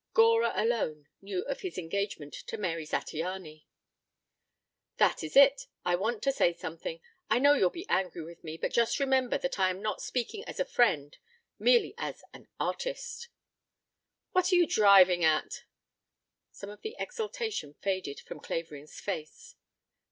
Gora alone knew of his engagement to Mary Zattiany. "That is it. I want to say something. I know you'll be angry with me, but just remember that I am not speaking as a friend, merely as an artist." "What are you driving at?" Some of the exultation faded from Clavering's face.